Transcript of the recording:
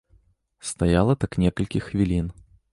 Стаяла так некалькі хвілін.